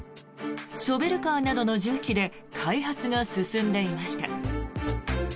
ショベルカーなどの重機で開発が進んでいました。